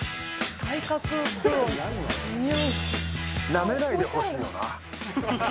なめないでほしいよな。